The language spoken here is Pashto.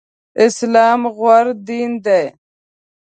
اسلام غوره دين دی.